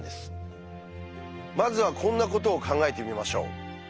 まずはこんなことを考えてみましょう。